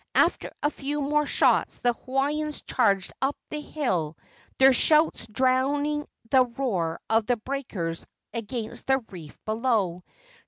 After a few more shots the Hawaiians charged up the hill, their shouts drowning the roar of the breakers against the reef below.